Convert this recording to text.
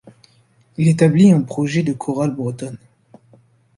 Il établit un projet de chorale bretonne.